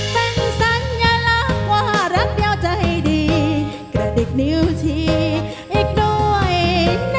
เป็นสัญญาณรักว่ารักเดียวใจดีกระดิกนิ้วทีอีกด้วยนะเธอ